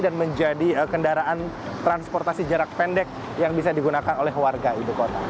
dan menjadi kendaraan transportasi jarak pendek yang bisa digunakan oleh warga ibu kota